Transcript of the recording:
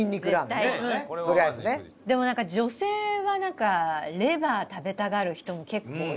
でもなんか女性はレバー食べたがる人も結構いる。